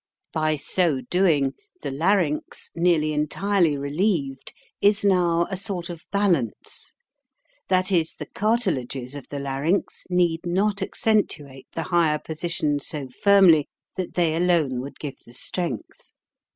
By so doing, the larynx, nearly entirely relieved, is now a sort of balance; that is, the cartilages of the larynx need not accentuate the higher position so firmly that they alone would give the strength.